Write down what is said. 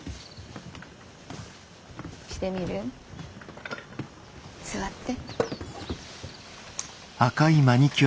してみる？座って。